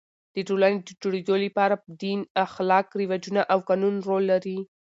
د ټولني د جوړېدو له پاره دین، اخلاق، رواجونه او قانون رول لري.